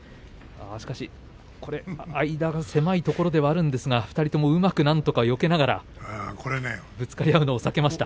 間が狭いところではあるんですが２人とも、なんとかよけながらぶつかり合うのを避けました。